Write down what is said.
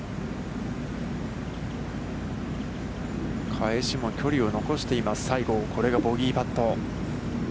返しも、距離を残しています、西郷、これがボギーパット。